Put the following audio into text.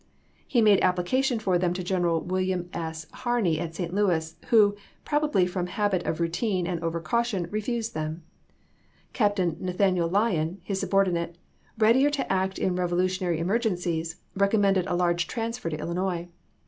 He made application for them to Gen eral William S. Harney at St. Louis, who, proba bly from habit of routine and over caution, refused Lyon to them. Captain Nathaniel Lyon, his subordinate, APL1M861. readier to act in revolutionary emergencies, rec i'., p. 667° ■ ommended a large transfer to Illinois.